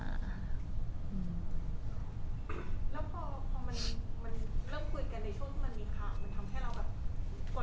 แล้วพอมัน